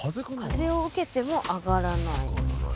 風を受けてもあがらない。